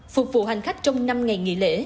phục vụ hành khách trong năm ngày nghỉ lễ